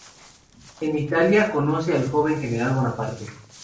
En Italia conoce al joven general Bonaparte.